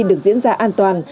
được diễn ra an toàn